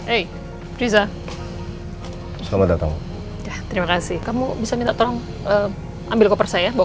eh riza selamat datang terima kasih kamu bisa minta tolong ambil koper saya bawa